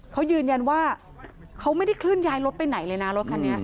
เขายืนยันว่าเขาไม่ได้เคลื่อนย้ายรถไปไหนเลยนะรถคันนี้